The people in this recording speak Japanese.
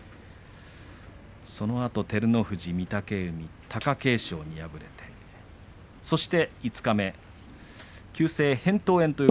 そのあと照ノ富士、御嶽海貴景勝に敗れてそして五日目急性へんとう